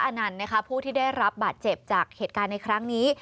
อนันต์นะคะผู้ที่ได้รับบาดเจ็บจากเหตุการณ์ในครั้งนี้